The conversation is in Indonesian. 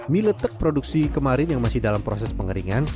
mie letek produksi kemarin yang masih dalam proses pengeringan